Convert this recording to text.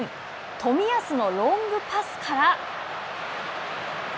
冨安のロングパスから。